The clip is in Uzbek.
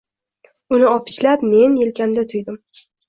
Uni opichlab men, yelkamda tuydim